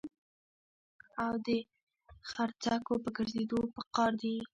او د څرخکو په ګرځېدو په قار دي.